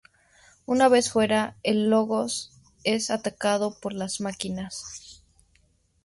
Una vez fuera, el Logos es atacado por las máquinas.